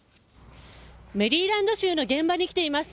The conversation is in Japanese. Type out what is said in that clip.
メリーランド州の現場に来ています。